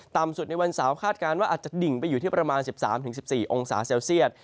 ต่ำสุดในวันเสาร์คาดการณ์ว่าอาจจะดิ่งไปอยู่ที่ประมาณ๑๓๑๔องศาเซลเซียต